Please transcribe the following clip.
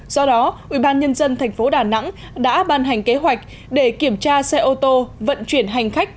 do đó ubnd tp đà nẵng đã ban hành kế hoạch để kiểm tra xe ô tô vận chuyển hành khách